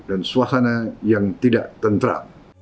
dan suasana yang tidak tentra